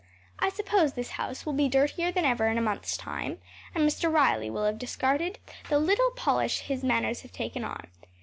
I suppose this house will be dirtier than ever in a month’s time, and Mr. Riley will have discarded the little polish his manners have taken on.